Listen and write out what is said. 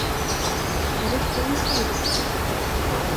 Är det två metallbitar?